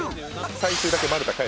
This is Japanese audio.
最終だけ。